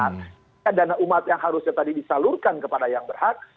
karena dana umat yang harusnya tadi disalurkan kepada yang berhak